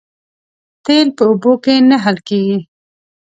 تیل په اوبو کې نه حل کېږي